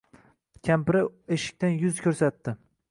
Kampiri eshiqdan yuz ko‘rsatdi.